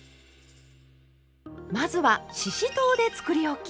まずはししとうでつくりおき！